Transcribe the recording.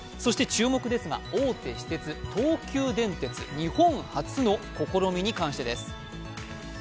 そして注目ですが、大手私鉄、東急電鉄、日本初の試みに関してです。